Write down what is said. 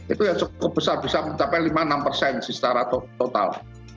itu yang cukup besar bisa mencapai lima enam persen sih secara total